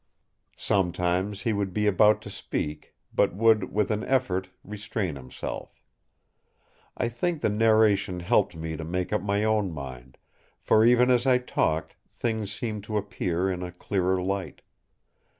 Sometimes he would be about to speak, but would, with an effort, restrain himself. I think the narration helped me to make up my own mind; for even as I talked, things seemed to appear in a clearer light.